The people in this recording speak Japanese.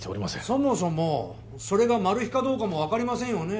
そもそもそれがマル被かどうかも分かりませんよね？